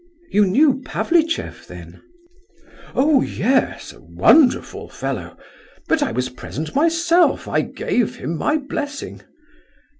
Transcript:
"You knew Pavlicheff then?" "Oh, yes—a wonderful fellow; but I was present myself. I gave him my blessing."